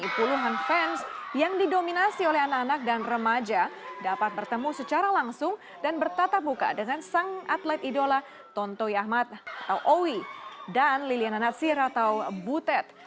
puluhan fans yang didominasi oleh anak anak dan remaja dapat bertemu secara langsung dan bertatap muka dengan sang atlet idola tontoy ahmad atau owi dan liliana natsir atau butet